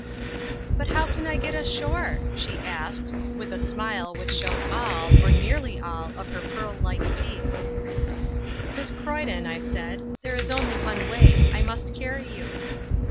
"But how can I get ashore?" she asked, with a smile which showed all, or nearly all, of her pearl like teeth. "Miss Croyden," I said, "there is only one way. I must carry you."